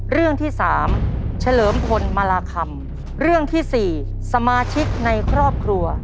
เรื่องที่สามเฉลิมพลมาราคำเรื่องที่สี่สมาชิกในครอบครัว